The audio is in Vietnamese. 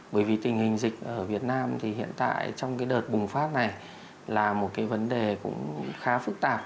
bởi vì tình hình dịch ở việt nam thì hiện tại trong cái đợt bùng phát này là một cái vấn đề cũng khá phức tạp